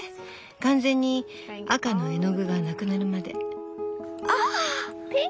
完全に赤の絵の具がなくなるまで。